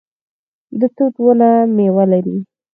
د توت ونه میوه لري